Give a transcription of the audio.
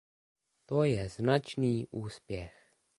To je značný úspěch.